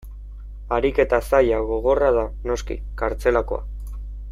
Ariketa zaila, gogorra da, noski, kartzelakoa.